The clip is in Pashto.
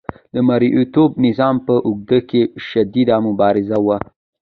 د مرئیتوب نظام په اوږدو کې شدیده مبارزه وه.